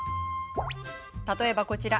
例えば、こちら。